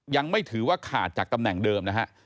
ยังไม่ถือว่าขาดจากตำแหน่งเดิมนะฮะ